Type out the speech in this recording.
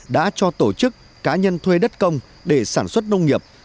đã cho tổ chức cá nhân thuê đất công để sản xuất nông nghiệp